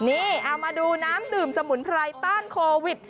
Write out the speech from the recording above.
นี่เอามาดูน้ำดื่มสมุนไพรต้านโควิด